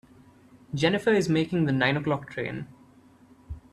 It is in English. Jennifer is making the nine o'clock train.